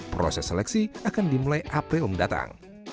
proses seleksi akan dimulai april mendatang